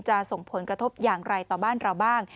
ส่งผลกระทบอย่างไรต่อบ้านเราบ้าง